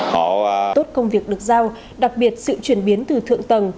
có tốt công việc được giao đặc biệt sự chuyển biến từ thượng tầng